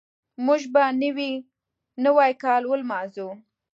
موږ به نوی کال ولمانځو.